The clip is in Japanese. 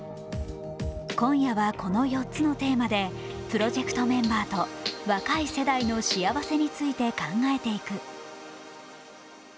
今夜は、この４つのテーマでプロジェクトメンバーと若い世代の幸せについて考えていく。